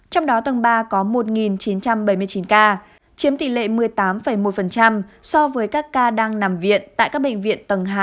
trong đó tầng ba có một chín trăm bảy mươi chín ca chiếm tỷ lệ một mươi tám một so với các ca đang nằm viện tại các bệnh viện tầng hai